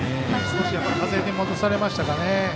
風に戻されましたかね。